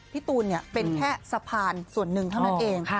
พี่ตูนเป็นแค่สะพานส่วนหนึ่งเท่านั้นเอง